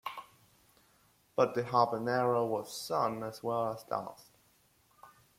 But the "habanera" was sung as well as danced.